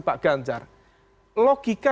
pak ganjar logika